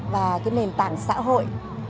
và cái nền tảng xã hội